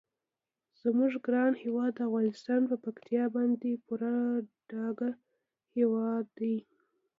زموږ ګران هیواد افغانستان په پکتیکا باندې پوره ډک هیواد دی.